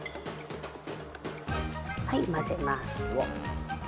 はい混ぜます。